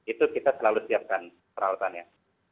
itu kita selalu siapkan peralatannya